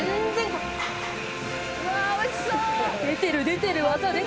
出てる出てる技出てる！